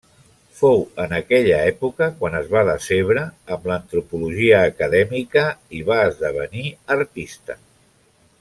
Fou en aquella època quan es va decebre amb l'antropologia acadèmica, i va esdevenir artista.